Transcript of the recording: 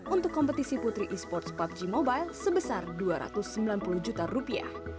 untuk kompetisi putri esports pubg mobile sebesar rp dua ratus sembilan puluh juta